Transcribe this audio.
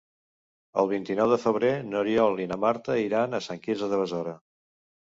El vint-i-nou de febrer n'Oriol i na Marta iran a Sant Quirze de Besora.